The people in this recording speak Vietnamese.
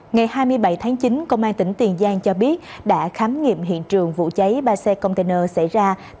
ngày hai mươi bảy tháng chín công an tỉnh tiền giang cho biết đã khám nghiệm hiện trường vụ cháy ba xe container xảy ra